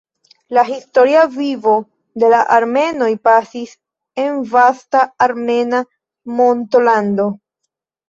La historia vivo de la armenoj pasis en vasta armena montolando.